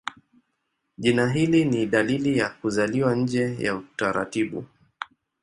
Jina hili ni dalili ya kuzaliwa nje ya utaratibu.